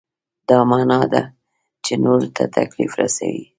دا معنا ده چې نورو ته تکلیف رسوئ.